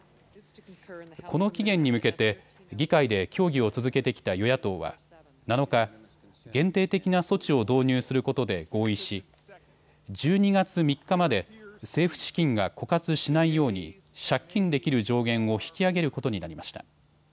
この期限に向けて議会で協議を続けてきた与野党は７日、限定的な措置を導入することで合意し１２月３日まで政府資金が枯渇しないように借金できる上限を引き上げることになりました。